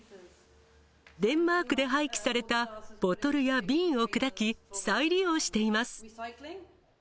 デンマークで廃棄されたボトルや瓶を砕き、再利用しています。